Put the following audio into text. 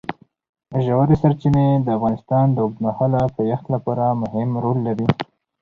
ژورې سرچینې د افغانستان د اوږدمهاله پایښت لپاره مهم رول لري.